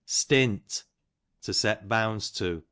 Stint, to set bounds to.